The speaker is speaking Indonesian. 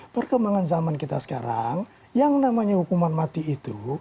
perkembangan zaman kita sekarang yang namanya hukuman mati itu